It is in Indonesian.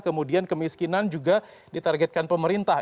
kemudian kemiskinan juga ditargetkan pemerintah